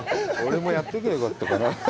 俺もやっとけばよかったかな。